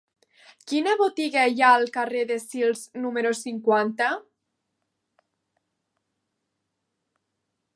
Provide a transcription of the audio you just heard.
Quina botiga hi ha al carrer de Sils número cinquanta?